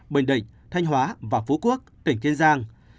bình định thanh hóa và phú quốc tỉnh kiên giang